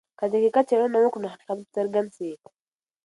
که دقیقه څېړنه وکړو نو حقیقت به څرګند سي.